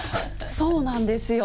そうなんですよ。